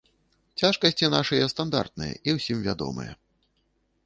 Цяжкасці нашыя стандартныя і ўсім вядомыя.